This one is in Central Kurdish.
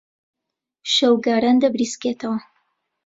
شەوگاران دەبریسکێتەوە.